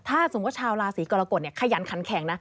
ถ้าสมมุติชาวราศีกรกฎขยันขันแข็งนะ